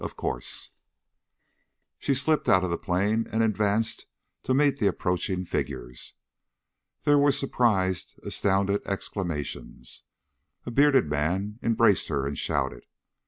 Of course." She slipped out of the plane and advanced to meet the approaching figures. There were surprised, astounded exclamations: A bearded man embraced her and shouted.